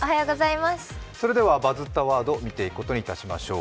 それでは「バズったワード」見ていくことにいたしましょう。